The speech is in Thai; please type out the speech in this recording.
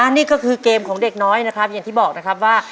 นี่ก็คือเกมของเด็กน้อยนะครับอย่างที่บอกนะครับว่า